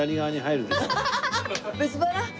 別腹？